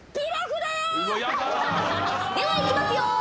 ではいきますよ。